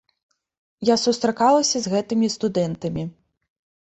Я сустракалася з гэтымі студэнтамі.